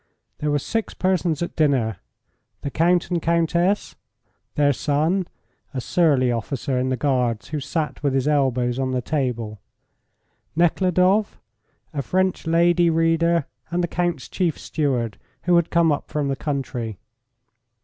There were six persons at dinner, the Count and Countess, their son (a surly officer in the Guards who sat with his elbows on the table), Nekhludoff, a French lady reader, and the Count's chief steward, who had come up from the country.